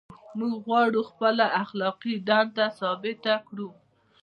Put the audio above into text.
موږ غواړو خپله اخلاقي دنده ثابته کړو.